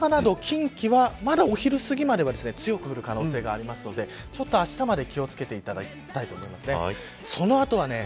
ただ、大阪など近畿はまだ、お昼すぎまでは強く降る可能性があるのでちょっとあしたまで気を付けていただきたいと思います。